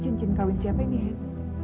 cincin kawin siapa ini head